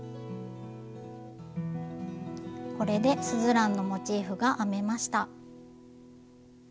これでスズランのモチーフが編めました。